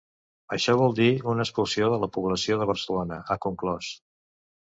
Això vol dir una expulsió de la població de Barcelona, ha conclòs.